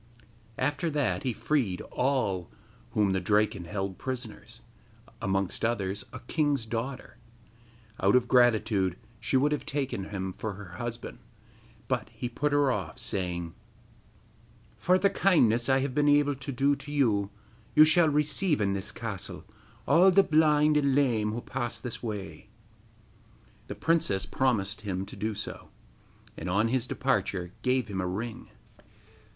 After that he freed all whom the Draken held prisoners, amongst others, a king's daughter. Out of gratitude she would have taken him for her husband; but he put her off, saying: 'For the kindness that I have been able to do to you, you shall receive in this castle all the blind and lame who pass this way.' The princess promised him to do so, and on his departure gave him a ring.